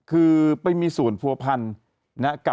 คือไปมีสูญภัวร์พันธุ์นะคะ